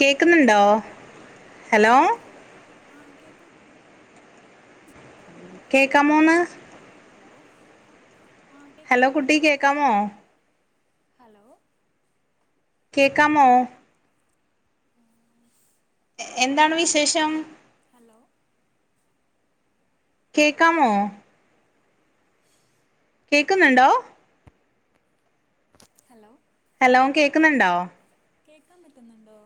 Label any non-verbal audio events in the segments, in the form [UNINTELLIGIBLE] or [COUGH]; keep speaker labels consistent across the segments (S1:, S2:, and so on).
S1: Hello
S2: hello?
S1: കേക്കാവോ ആ കേക്കാം.
S2: കേക്കാമോന്ന്.
S1: ഹലോ? ആ
S2: ഹലോ
S1: കേക്കാൻ
S2: കുട്ടി
S1: പറ്റുന്നോ വോ?
S2: കേക്കാമോ
S1: ഹലോ?
S2: കേക്കാമോ?
S1: [UNINTELLIGIBLE]
S2: എ എന്താണ് വിശേഷം.
S1: ഹലോ?
S2: കേക്കാമോ? കേക്ക്ന്നുണ്ടോ?
S1: ഹലോ?
S2: ഹലോം കേക്കുന്നുണ്ടോ?
S1: കേക്കാപറ്റുന്നുണ്ടോ?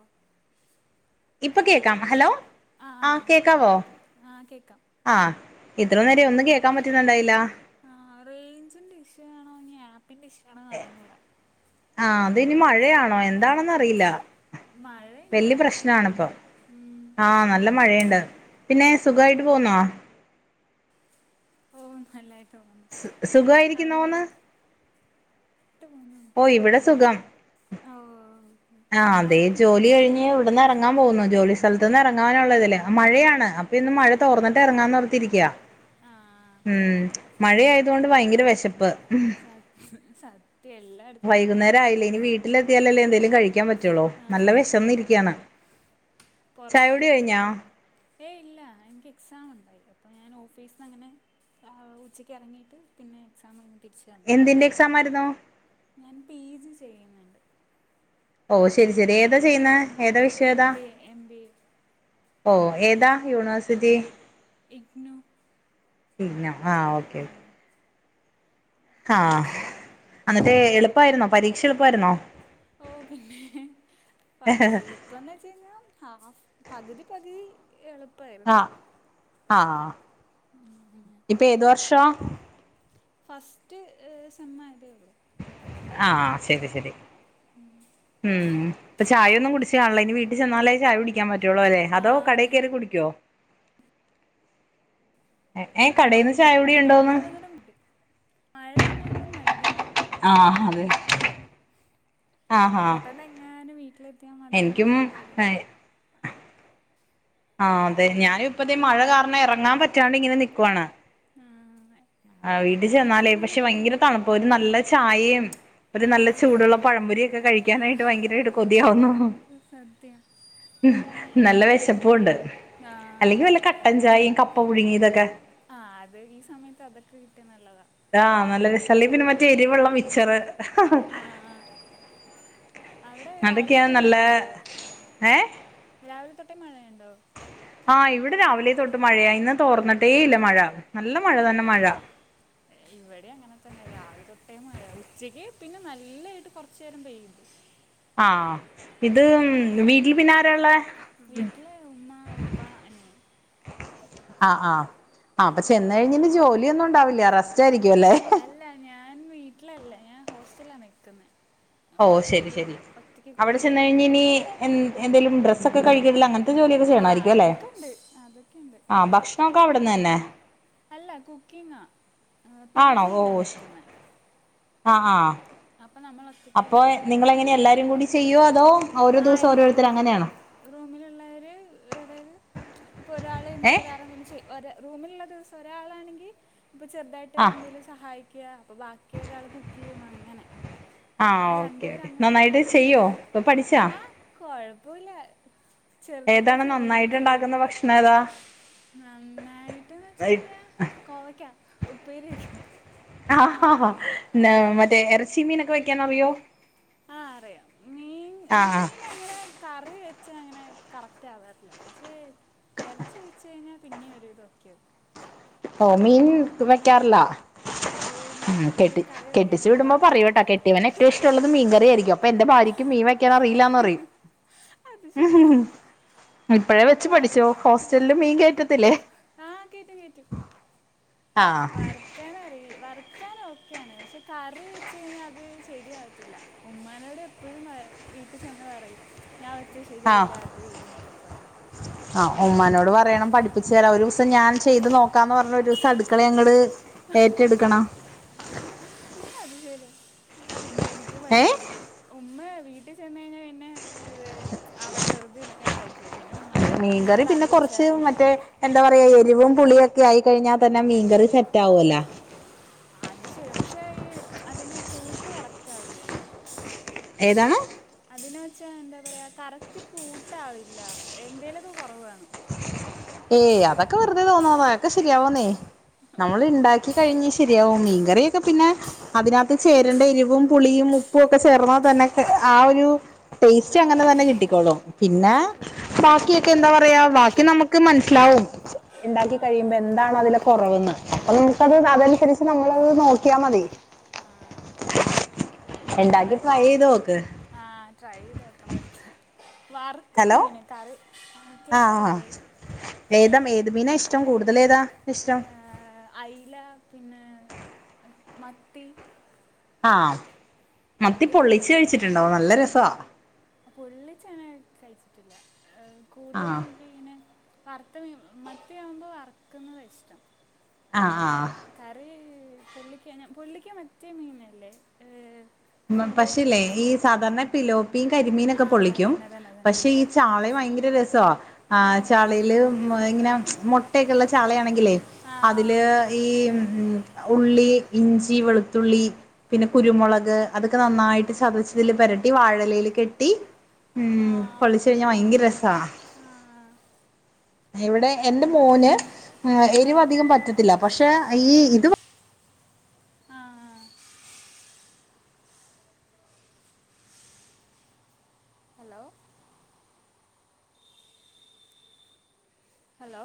S2: ഇപ്പൊ കേക്കാം. ഹലോ ആ
S1: ഓക്കെ
S2: കേക്കാവോ?
S1: ഓക്കെ ഓക്കെ ആ കേക്കാം.
S2: ആഹ് ഇത്ര നേരെ
S1: ആ
S2: ഒന്നും കേക്കാൻ പറ്റുന്നുണ്ടായില്ല.
S1: ആ റെയിഞ്ച് ന്റെ ഇഷ്യു ആണോ. ഇനി ആപ്പിന്റെ ഇഷ്യൂ ആണോന്ന് അറിഞ്ഞൂട.
S2: ആ ത് ഇനി മഴയാണോ എന്താണന്നറിയില്ല.
S1: മഴയുണ്ട്
S2: വല്യ പ്രശ്നാണ്
S1: നല്ലതായിട്ട്
S2: ഇപ്പൊ.
S1: ഉം.
S2: ആനല്ല മഴയ് ണ്ട്. പിന്നെ.. സുഖായിട്ട് പോന്നോ?
S1: ഓ, ഹ നല്ലായിട്ട് പോകുന്നു. അവിടെയോ
S2: സുഖായിരിക്കുന്നോന്ന്
S1: [UNINTELLIGIBLE]
S2: ഓ ഇവിടെ സുഖം
S1: ഓ ഉം മഴയ് മഴ ഇങ്ങനെ.
S2: പോന്നു ജോലി സ്ഥലത്ത് നിന്ന് ഇറങ്ങാനുള്ളതല്ലേ മഴയാണ്. അപ്പൊ ഇന്ന് മഴ
S1: ആ
S2: തോർന്നിട്ട് ഇറങ്ങാൻന്നോർത്തിരിക്ക.
S1: ആ..,.
S2: ഉം.. മഴയായതുകൊണ്ട് ഭയങ്കര വെശപ്പ്.
S1: സത്ഹ് സത്യം എല്ലായിടത്തുതന്നെ അവസ്ഥ.
S2: ട്ടിലെത്തിയാലല്ലേ എന്തേലും. കഴിക്കാൻ പറ്റുള്ളു
S1: ആ
S2: നല്ല വിശന്ന് ഇരിക്ക്യാണ്.
S1: [INAUDIBLE] ഏയ് ഇല്ല എനിക്ക് എക്സാം ഉണ്ടായി. അപ്പൊ ഞാൻ ഓഫീസിന്നങ്ങ്നെ. ആഉച്ചയ്ക്ക്റങ്ങീട്ട്. പിന്നെ എക്സാം കഴിഞ്ഞിട്ട്. തിരിച്ചു വന്നേർന്ന്.
S2: എന്തിന്റെ എക്സാം ആയിരുന്നു
S1: ഞാൻ പി. ജി ചെയ്യുന്നുണ്ട്.
S2: ഓ ശരി, ശരി ഏതാ ചെയ്യുന്ന
S1: ആ
S2: ഏതാ വിഷയം
S1: എം
S2: ഏതാ?
S1: B A M B A
S2: ഓ ഏതാ യൂണിവേഴ്സിറ്റി.
S1: എഗ് നോ
S2: നോ ആ ഓക്കെ ക്കെ ഹാ.. ഹ്
S1: ഡിസ്റ്റൻ്റ് ആയിട്ട് ചെയ്യുന്നത്
S2: എന്നിട്ട് എളുപ്പായിരുന്നോ പരീക്ഷ എളുപ്പവാരുന്നോ.
S1: ഓ പിന്നെ. ഹ് ഹ്.. പ എളുപ്പന്ന് വെച്ച് കഴിഞ്ഞാ ഹാഫ് പകുതി പകുതി. എളുപ്പായിരുന്നു.
S2: ആ.. ഇപ്പൊ ഏതു വർഷ്വ
S1: ഫസ്റ്റ് സെമ്മായതേ ഒള്ളൂ.
S2: ആ.. ശരി ശരി
S1: ഊമ്
S2: ഉം.. ഇപ്പ ചായൊന്നും കുടിച്ചു കാണില്ല. ഇനി വീട്ടിൽ ചെന്നാലേ ചായ കുടി [UNINTELLIGIBLE]
S1: ആ
S2: അതോ കടേ
S1: അതെ
S2: കേറി കുടിക്യോ? ഏ കടയിൽന്ന് ചായകുടി ഉണ്ടോന്ന്
S1: [UNINTELLIGIBLE] മയള്ളോണ്ട് മട്യാ.
S2: ആഹ് അതെ. ആഹാ
S1: പെട്ടെന്നങ്ങാനും വീട്ടിലെത്ത്യാ
S2: എനിക്കും
S1: മതീന്ന്ളൊരു
S2: ആഹ് ആ അതെ
S1: അവി
S2: ഞാനിപ്പതെ മഴ കാരണം ഇറങ്ങാൻ പറ്റാണ്ട് ഇങ്ങനെ നിക്കുവാണ്.
S1: ആഹ്.
S2: ആ വീട്ടിൽ
S1: എത്ര
S2: ചെന്നാലേ
S1: മണി
S2: പക്ഷെ ഭയങ്കര
S1: വരെയുണ്ട്
S2: തണ്പ്പ ഒരു നല്ല ചായേം ഒരു നല്ല
S1: ആഹ്
S2: ചൂടുള്ള പഴംപൊരി ഒക്കെ കഴിക്കാനായിട്ട് ഭയങ്കരായിട്ട് കൊതിയാവുന്നു
S1: സത്യം
S2: നല്ല വെശപ്പും ഒണ്ട്
S1: ആഹ്
S2: അല്ലെങ്കിൽ വല്ല ക ട്ടൻ ചായയും ഈ കപ്പ പുഴുങ്ങിയതൊക്കെ
S1: ആഹ് അത് ഈ സമയത്ത് അതൊക്കെ കിട്ടിയ നല്ലതാ
S2: ആഹ് നല്ല വി സല്ലി പിന്ന മറ്റേ എരിവെള്ള മിച്ചറ്
S1: ആഹ് അവിടെ രാവിലെ
S2: അതൊക്കെയാണ്
S1: തൊട്ട്
S2: നല്ല
S1: മഴയുണ്ടോ
S2: ഏഹ്
S1: രാവിലെ തൊട്ടേ മഴയുണ്ടോ
S2: ആഹ് ഇവിടെ രാവിലെ തൊട്ട് മഴയ ഇന്ന് തോർന്നിട്ടേ ഇല്ല മഴ നല്ല മഴ തന്നെ
S1: ആഹ്
S2: മഴ
S1: ഇവിടെ അങ്ങനെ തന്നെ രാവിലെ തൊട്ടേ മഴ ഉച്ചക്ക് പിന്നെ നല്ലായിട്ട് കുറച്ചു നേരം പെയ്യു
S2: ആഹ് ഇത് വീട്ടിൽ പിന്നാരാള്ളെ
S1: വീട്ട്ല് ഉമ്മ ഉപ്പാ അനിയൻ
S2: ആഹ് ആഹ് ആ അപ്പചെന്ന
S1: അങ്ങനെ.
S2: കയ്ഞ്ഞാല് ജോലിഒന്നും ഇണ്ടാവില്ല റസ്റ്റ് ആയിരിക്കുല്ലേ?
S1: അല്ല ഞാൻ വീട്ലല്ല ഞാൻ ഹോസ്റ്റല്ല നിക്ന്നെ.
S2: ഓ ശരി ശരി അവിടെ
S1: കുക്ക് ചെയ്യണം
S2: ചെന്നഴിഞ്ഞ ഇനി എ എന്തേലും
S1: കുക്ക്
S2: ഡ്രസ്സൊക്കെ കഴികിടലങ്ങന ത്തം ജോലിയൊക്കെ
S1: ആ
S2: ചെയ്യണായിരിക്കും അല്ലെ
S1: അതൊക്കെ ഉണ്ട് അതൊക്കെ ഉണ്ട്
S2: ആ ഭക്ഷണൊക്കെ അവിടുന്ന് തന്നെ
S1: അല്ല കുക്കിംഗാ പി
S2: ആണോ
S1: ജിയിലാ
S2: ഓഹ്
S1: നിക്ക്ന്നെ
S2: ആഹ്
S1: നമ്മൾ ഒറ്റയ്ക്ക്
S2: അപ്പൊ നിങ്ങളെങ്ങനെ
S1: ഫുഡില്ല
S2: എല്ലാരും കൂടി ചെയ്യോ അതോ ഓരോ ദിവസം ഓരോരുത്തരങ്ങനെയാണോ
S1: റൂമിലുള്ളവര് അതായത് ഇപ്പൊ ഒരാള്
S2: ഏ
S1: എന്തെേലും വേറെ എന്തെങ്കിലും ചെയ്യ ഒര റൂമിലുള്ള ദിവസം ഒരാളാണെങ്കി ഇപ്പ ചെറുതായിട്ട്
S2: ആ
S1: എന്തേലും സഹായിക്ക അപ്പോ ബാക്കി ഒരാള് കുക്കെയ്യും അങ്ങനെ
S2: ആഹ്
S1: അങ്ങനെ
S2: ഓക്കേ
S1: രണ്ടുപേരും
S2: ഓക്കെ
S1: അങ്ങോട്ടും
S2: നന്നായിട്ട് ചെയ്യോ പ്പ പഠിച്ചാ
S1: കൊഴപ്പൂല്ല ചെർതിലേ
S2: ഏതാണ്
S1: ചെയ്യ്
S2: നന്നായിട്ട്
S1: ചെയ്
S2: ഉണ്ടാക്കുന്ന ഭക്ഷണം ഏതാ
S1: നന്നായിട്ട്ന്ന് വച് കഴിഞ്ഞാ കോവയ്ക്ക ഉപ്പേരി വെക്കും.
S2: ആഹ ഹാ ഹാ നെ മറ്റേ എറ്ച്ചി മീനൊക്കെ വെക്കാൻ അറിയോ?
S1: ആഹ് അറിയാം മീൻ
S2: ആ ആ
S1: മീനങ്ങനെ. കറി വെച്ച് അങ്ങനെ കറക്റ്റാവാറില്ല പക്ഷേ എറ്ച്ചി വച്ച് കഴിഞ്ഞാൽ. പിന്നെ ഒരു വിതൊക്കെ.
S2: ഓ മീൻ വെക്കാറില്ല.
S1: ഇല്ല എനിക്ക്
S2: കെട്ടി
S1: കറി
S2: കെട്ടിച്ചു
S1: വെക്കാറിയില്ല
S2: വിടുമ്പം
S1: വറക്ക്
S2: പറയൂട്ടോ കെട്ടിയവനേറ്റവും ഇഷ്ടള്ള. ന്ന് മീൻ കറി ആയിരിക്കും അപ്പൊ എന്റെ ഭാര്യയ്ക്ക് മീൻ വെക്കാൻ അറിയില്ലാന്നറിയും
S1: അത്
S2: മ്
S1: ശരിയാ
S2: ഹ് ഇപ്പഴേ വെച്ച്
S1: വറ
S2: പഠിച്ചോ ഹോസ്റ്റല് മീൻ
S1: ആഹ്
S2: കേറ്റത്തില്ലേ.
S1: ആഹ് കേറ്റും കേറ്റും
S2: ആ
S1: വർ ക്കാനറി വറ്ക്കാൻ ഓക്കെയാണ് പക്ഷേ കറി വെച്ച് കഴിഞ്ഞാ അത് ശരിയാവത്തില്ല. ഉമ്മാനോട് എപ്പോഴും വ വീട്ടിൽ ചെന്ന് പറയും ഞാൻ വച്ച ശരിയയില്ല അത് ഇത് എന്നൊക്കെ പറയും
S2: ആഹ് ഉമ്മാനോട് പറയണം പഠിപ്പിച്ചു തരാ ഒരു ദിവസം ഞാൻ ചെയ്ത് നോക്കാംപറഞ്ഞ്ഒരു പ ദിവസം അടുക്കള ഞങ്ങട്
S1: അത് ശരി പിന്നെ എനിക്ക്
S2: ഏ
S1: മണ്ടിയായിരിക്കും ഉമ്മ വീട്ടിൽ ചെന്ന് കഴിഞ്ഞാ പിന്നെ അവിടെ വെറുതെ ഇരിക്കുന്നതായിരിക്കും പിന്നെ ഉമ്മാനെ
S2: മീൻകറി
S1: ഉമ്മാട് അത്
S2: പിന്നെ
S1: വെച്ച്
S2: കുറച്ച്
S1: യിം
S2: മറ്റേ എന്താ പറയാ എരിവും പുളിയൊക്കെ ആയി കഴിഞ്ഞാ തന്നെ മീൻകറി സെറ്റ ആവൊല്ല
S1: അത് ശരി പക്ഷെ ഈ അതിനെ കൂട്ട് കറക്റ്റ് ആവില്ലല്ലോ
S2: ഏതാണ്
S1: അതിന് വെച്ചാ എന്താ പറയ്യാ കറക്റ്റ് കൂട്ടാവില്ല എന്തേലൊക്കെ കുറവ് കാണും
S2: ഏയ് അതൊക്കെ വെറുതെ തോന്നണതാ അതൊക്കെ ശെരിയാവുന്നേ നമ്മൾ ഉണ്ടാക്കി കഴിഞ്ഞ് ശരിയാവും മീൻകറിയൊക്കെ പിന്നെ അതിനകത്ത് ചേരണ്ട എരിവും പുളിയും ഉപ്പും ഒക്കെ ചേർന്നാ തന്നെ ആ ഒരു ടേസ്റ്റ്
S1: ആ
S2: അങ്ങനെ തന്നെ
S1: ശരിയാ
S2: കിട്ടിക്കോളും പിന്നെ
S1: അത് ശരിയാ
S2: ബാക്കിയൊക്കെ എന്താ പറയാ ബാക്കി നമുക്ക് ക്ക്‌ മനസ്സിലാവും ഉണ്ടാക്കി
S1: ആ
S2: കഴിയുമ്പോ എന്താണ് അതില് കുറവെന്ന് അപ്പൊ [UNINTELLIGIBLE] അതനുസരിച്ച് നമ്മളത് നോക്കിയാൽ മതി
S1: ആഹ്
S2: ഇണ്ടാക്കി ട്രൈ ചെയ്ത് നോക്ക്
S1: ആഹ് ട്രൈ ചെയ്ത് നോക്കണം ഒരിക്കെ വറുക്കും
S2: ഹലോ
S1: മീന് കറി
S2: ആഹ് ഹാ
S1: കേക്കാവില്ലേ
S2: ഏതാ ഏത് മീനാ ഇഷ്ടം കൂടുതൽ ഏതാ ഇഷ്ടം
S1: ആ, അയില പിന്നെ മത്തി
S2: ആഹ് മത്തി
S1: അതിരം
S2: പൊള്ളിച്ച് കഴിച്ചിട്ടുണ്ടോ നല്ല രസാ
S1: പൊള്ളിച്ചങ്ങ് കഴിച്ചിട്ടില്ല കൂടുതലും
S2: ആഹ്
S1: ഇങ്ങനെ വറുത്ത മീൻ മത്തിയാവുമ്പോൾ വറുക്കുന്നതാ ഇഷ്ടം
S2: ആഹ്
S1: കറി കറി പൊള്ളിക്കാനാ പൊള്ളിക്ക മറ്റേ മീനല്ലേ ഏ ഫിലോപ്പിയോ
S2: പക്ഷേയില്ലേ ഈ
S1: സിലോപ്പിയോ
S2: സാധാരണപ്പിലോ മീൻ
S1: ആ
S2: കരിമീനൊക്കെ പൊള്ളിക്കും
S1: അതന്നെ അതന്നെ അതന്നെ
S2: പക്ഷെ ഈ ചാളയും ഭയങ്കര രസമാ ആഹ്
S1: ആണല്ലേ
S2: ചാളയില് ഇങ്ങനെ മുട്ടയൊക്കെയുള്ള ചാളയാണെങ്കിലേ
S1: ആ
S2: അതില് ഈ ഉള്ളി, ഇഞ്ചി, വെളുത്തുള്ളി, പിന്നെ കുരുമുളക് അതൊക്കെ നന്നായിട്ട് ചതച്ചിതില് പെരട്ടി വാഴയിലയിൽ കെട്ടി
S1: ആ
S2: ഉം
S1: ആ, ഓ
S2: പൊള്ളിച്ചു
S1: ഓ.
S2: കഴിഞ്ഞാ ഭയങ്കര രസാ
S1: ആ
S2: ഇവിടെ
S1: ആ,
S2: എന്റെ
S1: അത്,
S2: മോന്
S1: ആ
S2: എരിവ് അധികം പറ്റത്തില്ല പക്ഷെ ഈ ഇത്
S1: ആഹ് ആഹ് ഹലോ ഹലോ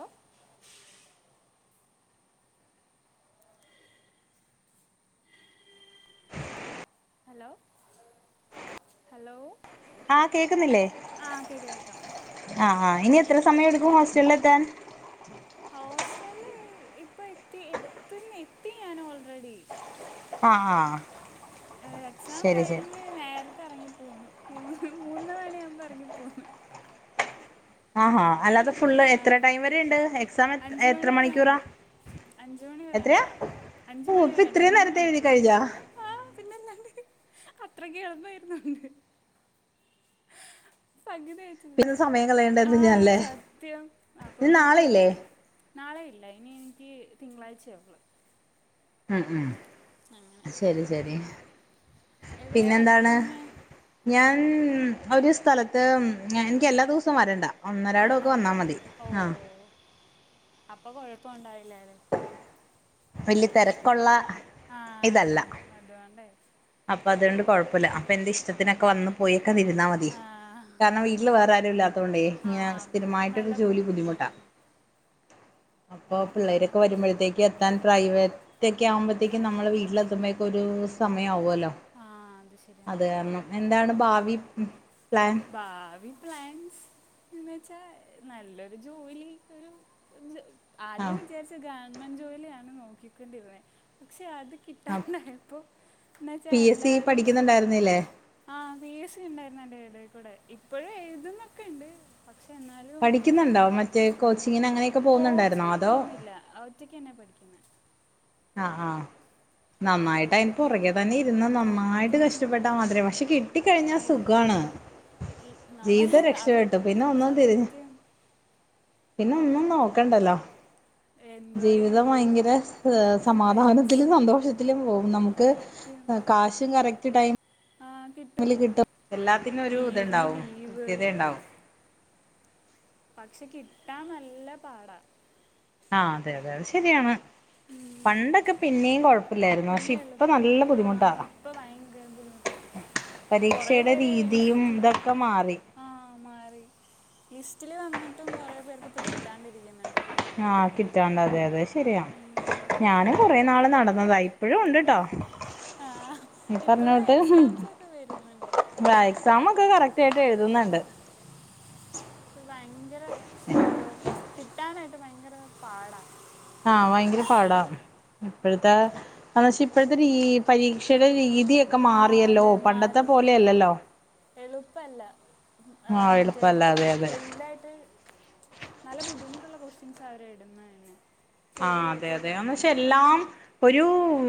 S1: ഹലോ ഹലോ
S2: ആഹ് കേക്കുന്നില്ലേ
S1: ആ കേൾക്കാം കേൾക്കാം
S2: ആഹ് ആഹ് ഇനി എത്ര സമയം എടുക്കും ഹോസ്റ്റലിൽ എത്താൻ
S1: ഹോസ്റ്റല് ഇപ്പൊ എത്തി എത്തുന്ന എത്തി ഞാൻ ഓൾറെഡി
S2: ആഹ് ആഹ്
S1: എക്സാം
S2: ശരി ശരി
S1: കഴിഞ്ഞ് നേരത്തെ ഇറങ്ങിപ്പോന്ന് മൂന്ന് മൂന്ന് മണിയാവുമ്പോ ഇറങ്ങിപ്പോന്ന്
S2: ആഹാ ഹാ അല്ലാതെ ഫുള്
S1: ആ
S2: എത്ര ടൈം വരെയിണ്ട് എക്സാം എ എത്ര മണിക്കൂറാ
S1: അഞ്ച് മണി വരെയിണ്ട്
S2: എത്രയാ
S1: അഞ്ച്
S2: ഓ
S1: മണി
S2: ഇപ്പൊ
S1: വരെയിണ്ട്
S2: ഇത്രയും
S1: മൂന്ന്
S2: നേരത്തെ എഴുതി
S1: മണിക്കൂറ്
S2: കഴിഞ്ഞാ
S1: ആഹ് പിന്നെല്ലാണ്ട് അത്രയ്ക്കും എളുപ്പായിരുന്നോണ്ട് സംഗീത ചോയിച്ചത്
S2: പിന്നെ സമയം കളയേണ്ടന്ന്
S1: ആഹ്
S2: ഞാനല്ലേ
S1: സത്യം അപ്പൊ
S2: ഇനി
S1: പിന്നെ
S2: നാളെയില്ലേ
S1: വെറുതെ നാളെ ഇല്ല ഇനി എനിക്ക് തിങ്കളാഴ്ചയെ ഉള്ളൂ
S2: ഉം ഉം
S1: അങ്ങനെ
S2: ശരി ശരി
S1: എവിടെ വർക്ക്
S2: പിന്നെന്താണ്
S1: ചെയ്യുന്നത്
S2: ഞാൻ ഒരു സ്ഥലത്ത് എനിക്ക് എല്ലാ ദിവസവും വരണ്ട ഒന്നരാടമൊക്കെ
S1: ആണല്ലേ
S2: വന്നാൽ മതി
S1: ഓ
S2: ആഹ്
S1: അപ്പൊ കൊഴപ്പുണ്ടാവില്ലാല്ലെ
S2: വലിയ തിരക്കുള്ള
S1: ആ
S2: ഇതല്ല
S1: അത് അതുകൊണ്ടേ
S2: അപ്പൊ
S1: അപ്പോൾ
S2: അതുകൊണ്ട് കുഴപ്പോല്ല അപ്പോ എന്റെ ഇഷ്ടത്തിനൊക്കെ വന്ന് പോയൊക്കെ ഇരുന്നാമതി
S1: ആ
S2: കാരണം വീട്ടില് വേറെ ആരും ഇല്ലാത്തോണ്ടേ
S1: ആ
S2: ഇങ്ങനെ
S1: ബു-
S2: സ്ഥിരമായിട്ടൊരു
S1: നല്ല
S2: ജോലി ബുദ്ധിമുട്ടാ
S1: ബുദ്ധിമുട്ടായിരിക്കും
S2: അപ്പൊ
S1: ആ
S2: പിള്ളേരൊക്കെ വരുമ്പോഴത്തേക്ക് എത്താൻ പ്രൈവറ്റൊക്കെ ആകുമ്പോഴത്തേക്കും നമ്മൾ വീട്ടിലെത്തുമ്പോഴേക്കും ഒരു സമയം ആവു അല്ലോ
S1: ആ അത് ശരിയാ
S2: അതു കാരണം എന്താണ് ഭാവി പ്ലാൻ
S1: ഭാവി പ്ലാൻസ് എന്നു വെച്ചാ നല്ലൊരു ജോലി ഒരു ആദ്യം
S2: ആഹ്
S1: വിചാരിച്ചെ ഗവൺമെന്റ് ജോലിയാണ് നോക്കിക്കൊണ്ടിരുന്നത് പക്ഷെ അത്
S2: ആഹ്
S1: കിട്ടാണ്ടായപ്പൊ എന്ന് വെച്ചാ
S2: പി എസ് സി
S1: എല്ലാരും
S2: പഠിക്കുന്നുണ്ടായിരുന്നില്ലേ
S1: ആഹ് പി എ സി ഉണ്ടായിരുന്നു. അയ്ന്റെ എടേകൂടെ. ഇപ്പഴും എഴുതുന്നൊക്കെണ്ട്. പക്ഷെ എന്നാലും
S2: വിളിക്കുന്നുണ്ടോ മറ്റേ കോച്ചിങ്ങിന് അങ്ങനെ
S1: കോച്ചിങ്ങിൽ പോകുന്നില്ല ഒറ്റയ്ക്കന്നെ പഠിക്കുന്നെ
S2: ആഹ് ആഹ്
S1: അപ്പം
S2: നന്നായിട്ട് അയ്ൻ്റെ പൊറകെ തന്നെ ഇരുന്ന, നന്നായിട്ട്
S1: സത്യം
S2: കഷ്ടപ്പെട്ടാ മാത്രേ, പക്ഷെ കിട്ടി കഴിഞ്ഞാ
S1: ഐ-
S2: സുഖാണ്
S1: അല്ല, നമ്മുടെ
S2: ജീവിതം
S1: അത്
S2: രക്ഷപ്പെട്ടു പിന്നെ ഒന്നും തിരിഞ്ഞ
S1: സത്യം
S2: പിന്നെ ഒന്നും നോക്കണ്ടല്ലോ
S1: എന്തോരം
S2: ജീവിതം
S1: ലീവ്
S2: ഭയങ്കര- സമാധാനത്തിലും
S1: പെൻഷൻ
S2: സന്തോഷത്തിലും പോകും. നമുക്ക് കാശും കറക്റ്റ് ടൈം-
S1: ആഹ്
S2: മല്ലികിട്ടാ എല്ലാത്തിനും ഒരു ത്ണ്ടാവും
S1: ലീവ്
S2: കൃത്യതയണ്ടാവും
S1: പക്ഷെ കിട്ടാൻ നല്ല പാടാ-
S2: ആഹ് അതെ അതെ അത് ശരിയാണ്.
S1: ഉം.
S2: പണ്ടൊക്കെ പിന്നെയും കൊഴപ്പല്ലായിരുന്നു. പക്ഷെ
S1: പിന്നെ ഉള്ളു
S2: ഇപ്പൊ നല്ല
S1: ആ
S2: ബുദ്ധിമുട്ടാ
S1: ഇപ്പൊ ഭയങ്കര ബുദ്ധിമുട്ടാ കുറേ
S2: പരീക്ഷയുടെ രീതിയും ഇതൊക്കെ മാറി.
S1: ആഹ്, മാറി ലിസ്റ്റില് വന്നിട്ടും കൊറേ പേർക്ക് ഇപ്പ കിട്ടാണ്ടിരിക്കുന്നുണ്ട്.
S2: ആഹ് കിട്ടാണ്ട അതെ അതെ ശരിയാണ്
S1: ഉം.
S2: ഞാന് കൊറെനാള് നടന്നതായി. ഇപ്പോഴും ഉണ്ട്ട്ടോ
S1: ആ ഇപ്പോഴും
S2: പറഞ്ഞോട്ട്
S1: എക്സാംസ് ഒക്കെ വരുന്നുണ്ട് പക്ഷേ
S2: എക്സാമ ഒക്കെ കഴി ക്റ്റായിട്ട് എഴുതുന്നുണ്ട്
S1: ഭയങ്കര ഏഹ് കിട്ടാനായിട്ട് ഭയങ്കര പാടാ-
S2: ആഹ് ഭയങ്കര പാടാ- അപ്പഴത്തെ ആ [UNINTELLIGIBLE] ഇപ്പഴത്തെ രീ പരീക്ഷയുടെ രീതിയൊ ക്ക
S1: ആ
S2: മാറിയല്ലോ. പണ്ടത്തെ പോലെയല്ലല്ലോ
S1: എളുപ്പല്ല
S2: ആഹ്
S1: മറ്റേ
S2: എളുപ്പല്ല അതെ അതെ
S1: വല്ല്യതായിട്ട് നല്ല ബുദ്ധിമുട്ടുള്ള കൊസ്റ്റ്യൻസ് അവരെ ഇടുന്നതന്നെ
S2: ആഹ് അതെ അതെ ക്ഷെ എല്ലാം ഒരു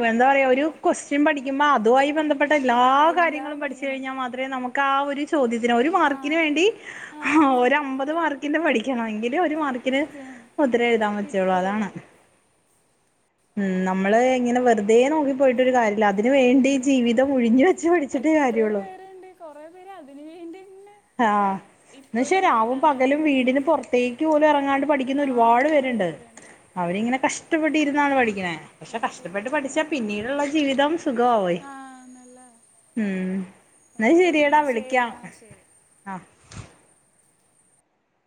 S2: എന്താ പറയ ഒരു ക്വസ്റ്റ്വൻ പഠിക്കുമ്പോ അതുവായി ബന്ധപ്പെ- പ്പെട്ട എല്ലാ
S1: ആ എല്ലാം
S2: കാര്യങ്ങളും പഠിച്ചു
S1: പഠിക്കണം
S2: കഴിഞ്ഞാൽ മാത്രമേ നമുക്ക് ആ ഒരു ചോദ്യത്തിന് ഒരു
S1: ആ
S2: മാർക്കിന് വേണ്ടി-
S1: ആ
S2: ഹാ..
S1: സത്-
S2: ഒരമ്പത് മാർക്കിന്റെ പഠിക്കണം. എങ്കിലേ ഒരു മാർക്കിന്
S1: സത്യം
S2: ഉത്തരം എഴുതാൻ പറ്റുള്ളു. അതാണ്
S1: കിട്ടുള്ളൂ
S2: ഉം നമ്മള് ഇങ്ങനെ വെറുതെ നോക്കി പോയിട്ടൊരു കാര്യ- അല്ല അതിന് വേണ്ടി
S1: ഉം.
S2: ജീവിതം ഒഴിഞ്ഞു വെച്ച് പഠിച്ചിട്ടേ കാര്യള്ളൂ-
S1: കുറേ പേര് അതിനെ വേണ്ടിന്നെ എന്നിട്ടേ
S2: ആഹ് എന്നാ
S1: ഇപ്പോഴും
S2: ശരിയാവും പകലും
S1: കിട്ടാനകിടക്കനെ
S2: വീടിന് പുറത്തേക്ക് പോലും ഇറങ്ങാണ്ട് പഠിക്കുന്ന
S1: ആഹ്
S2: ഒരുപാട്
S1: കൊറ
S2: പേരുണ്ട്
S1: പേര് ദേണ്ടേ
S2: അവരിങ്ങനെ കഷ്ടപ്പെട്ടിരുന്നാണ് പഠിക്കണ. പക്ഷെ
S1: സത്യം
S2: കഷ്ടപ്പെട്ട് പഠിച്ചാ പിന്നീടുള്ള ജീവിതം- സുഖയി
S1: ആ നല്ല
S2: ഉം എന്ന
S1: ഓക്കെ
S2: ശരിയടാ
S1: എന്നാ ശരി
S2: വിളിക്കാം.
S1: ആ ശരി
S2: ആഹ്